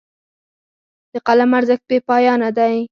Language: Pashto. د قلم ارزښت بې پایانه دی.